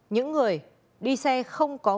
những người đi xe không có khóa